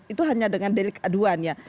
itu hanya dengan delik aduan ya